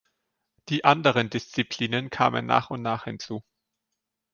Die anderen Disziplinen kamen nach und nach hinzu.